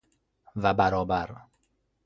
و برابر